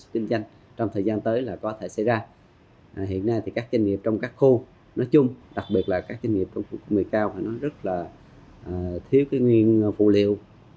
thì nó rất là thiếu cái nguyên vụ liệu